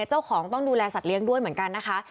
เจ้าของต้องดูแลสัตว์เลี้ยงด้วยเหมือนกันนะคะ